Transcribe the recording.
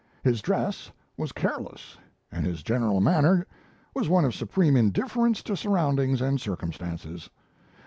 His dress was careless, and his general manner was one of supreme indifference to surroundings and circumstances.